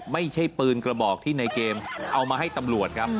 ไม่ใช่ปืนกระบอกที่ในเกมเอามาให้ตำรวจครับ